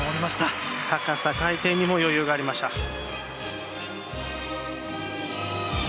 高さ、回転にも余裕がありました。